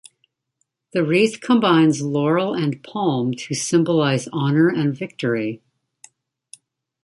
The wreath combines laurel and palm to symbolize honor and victory.